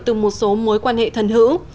từ một số mối quan hệ thần hữu